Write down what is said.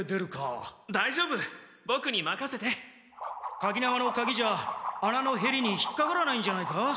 かぎ縄のかぎじゃあなのへりに引っかからないんじゃないか？